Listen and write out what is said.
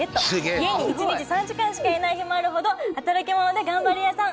家に１日３時間しかいない日もあるほど働き者で頑張り屋さん